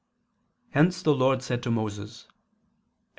Hence the Lord said to Moses (Ex.